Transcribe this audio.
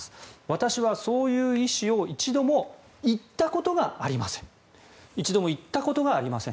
私はそういう意思を一度も言ったことがありません